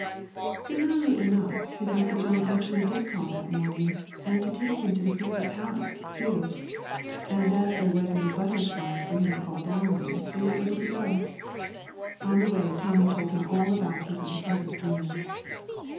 Singularly enough, his Uncle John actually did call that morning, and to take him to the Crystal Palace, too; and as there was no butter slide for him to fall down on, they were able to go. On the way Tommy told him all about his unpleasant dream.